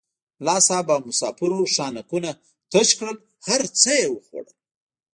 ملا صاحب او مسافرو خانکونه تش کړل هر څه یې وخوړل.